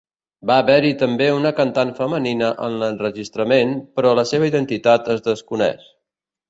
Va haver-hi també una cantant femenina en l'enregistrament però la seva identitat es desconeix.